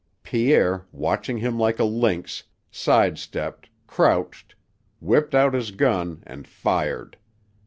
Pierre, watching him like a lynx, side stepped, crouched, whipped out his gun, and fired.